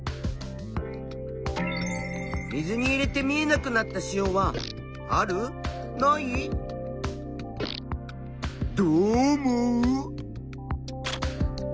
水に入れて見えなくなった塩はどう思う？